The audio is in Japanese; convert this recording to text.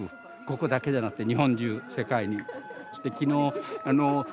ここだけじゃなくて日本中世界に。